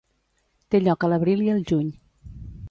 Té lloc a l'abril i el juny.